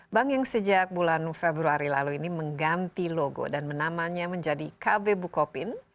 bank yang sejak bulan februari lalu ini mengganti logo dan menamanya menjadi kb bukopin